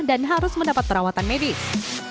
dan harus mendapat perawatan medis